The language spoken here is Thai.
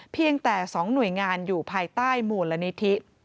เพียงแต่๒หน่วยงานอยู่ภายใต้มูลนิธิ